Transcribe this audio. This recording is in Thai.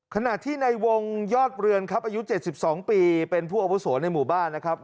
ขณะที่ในวงยอดเรือนครับอายุ๗๒ปีเป็นผู้อาวุโสในหมู่บ้านนะครับ